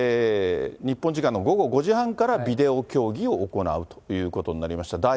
日本時間の午後５時半からビデオ協議を行うということになりました。